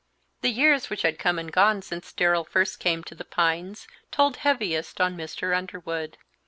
The years which had come and gone since Darrell first came to the Pines told heaviest on Mr. Underwood.